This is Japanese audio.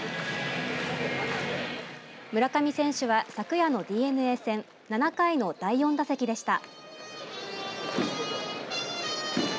村上選手は、昨夜のＤｅＮＡ戦７回の第４打席でした。